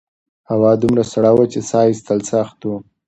هوا دومره سړه وه چې سا ایستل سخت وو.